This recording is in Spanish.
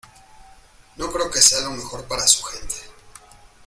no creo que sea lo mejor para su gente.